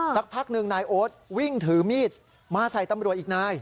สักพักหนึ่งนายโอ๊ตวิ่งถือมีดมาใส่ตำรวจอีกนาย